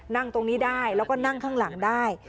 นั่งตรงนี้ได้แล้วก็นั่งข้างหลังได้